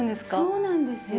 そうなんですよ。